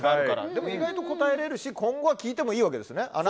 でも、意外と答えられるし今後は聞いても言いわけですよね。